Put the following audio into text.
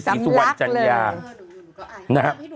พี่หนุ่มแล้วตรงนี้ก็ไอนะ